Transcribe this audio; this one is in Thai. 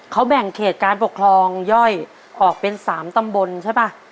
เขาแบ่งเขตการปกครองย่อยออกเป็น๓ตำบลใช่ป่ะ